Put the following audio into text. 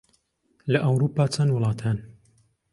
لە ئەورووپا چەند وڵات هەن؟